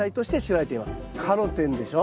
カロテンでしょ。